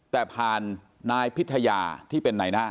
แต่ผ่านนายพิธยาที่เป็นไหนนะ